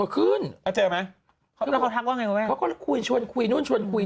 ขึ้นแต่ไม่ได้ขึ้นบ่อยไง